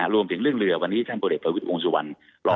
รวมถึงเรื่องเรือวันนี้ท่านผู้เด็กประวิทย์วงสุวรรณ